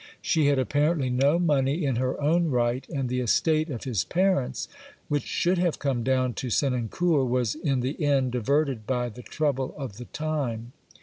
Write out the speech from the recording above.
She had apparently no money in her own right, and the estate of his parents which should have come down to Senancour was in the end diverted by the trouble of the time.